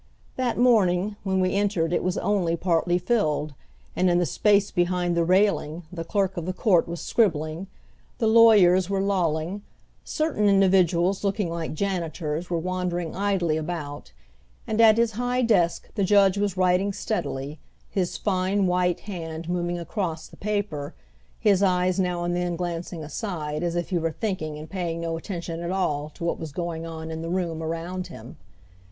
That morning when we entered it was only partly filled, and in the space behind the railing the clerk of the court was scribbling, the lawyers were lolling, certain individuals looking like janitors were wandering idly about, and at his high desk the judge was writing steadily, his fine, white hand moving across the paper, his eyes now and then glancing aside as if he were thinking and paying no attention at all to what was going on in the room around him.